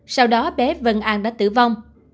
sau đó bé vân an đã tử vong